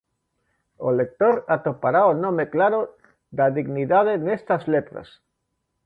O lector atopará o nome claro da dignidade nestas letras.